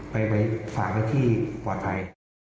ไปฝากไว้ที่ปลอดภัย